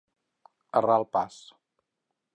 Errar el pas.